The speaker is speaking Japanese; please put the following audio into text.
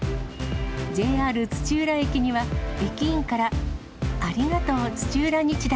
ＪＲ土浦駅には駅員から、ありがとう土浦日大。